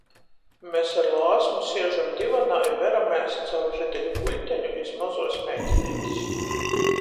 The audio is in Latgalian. Mes ar Lāsmu siežam divanā i veramēs caur redeļu guļteņu iz mozuos meitineitis.